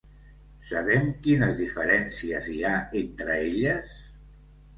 Sabem quines diferències hi ha entre elles?